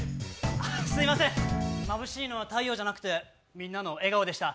あ、すいません、まぶしいのは太陽じゃなくてみんなの笑顔でした。